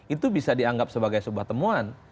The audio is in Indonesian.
itu bisa dianggap sebagai sebuah temuan